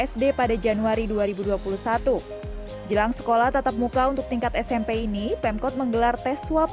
sd pada januari dua ribu dua puluh satu jelang sekolah tatap muka untuk tingkat smp ini pemkot menggelar tes swab